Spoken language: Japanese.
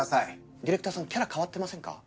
ディレクターさんキャラ変わってませんか？